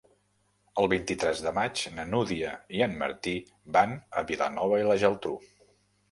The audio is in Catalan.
El vint-i-tres de maig na Dúnia i en Martí van a Vilanova i la Geltrú.